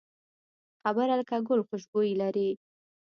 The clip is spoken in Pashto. خبره لکه ګل خوشبويي لري